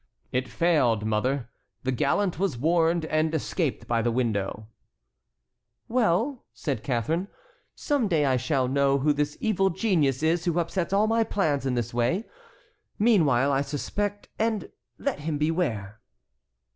"It failed, mother. The gallant was warned and escaped by the window." "Well," said Catharine, "some day I shall know who this evil genius is who upsets all my plans in this way. Meanwhile I suspect and—let him beware!"